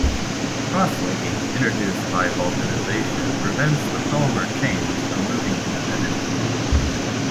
Crosslinking introduced by vulcanization prevents the polymer chains from moving independently.